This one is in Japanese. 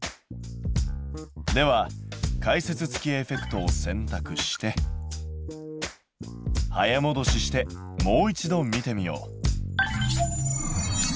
では解説付きエフェクトを選たくして早もどししてもう一度見てみよう。